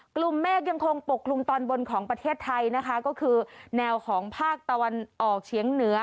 กลุ่มเมฆยังคงปกคลุมตอนบนของประเทศไทยนะคะก็คือแนวของภาคตะวันออกเฉียงเหนือ